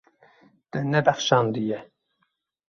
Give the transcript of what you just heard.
Te nebexşandiye.